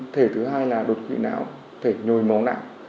thể thứ hai là đột quỵ não thể nhồi máu nặng